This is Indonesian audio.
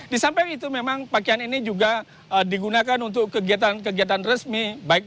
di samping itu memang pakaian ini juga digunakan untuk kegiatan kegiatan resmi